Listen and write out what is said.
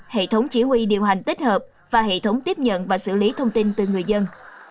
hệ thống chỉ huy điều hành tích hợp và hệ thống tiếp nhận và xử lý thông tin từ người dân